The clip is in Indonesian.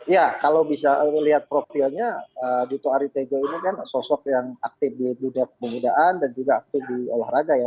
ya kalau bisa melihat profilnya dito aritego ini kan sosok yang aktif di dunia pemudaan dan juga aktif di olahraga ya